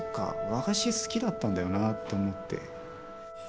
和菓子好きだったんだよなと思って。